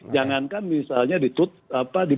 jangan kan misalnya ditutup apa